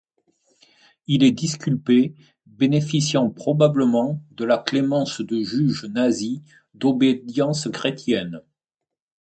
Il est disculpé, bénéficiant probablement de la clémence de juges nazis d'obédience chrétienne.